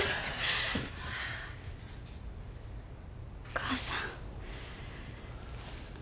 お母さん。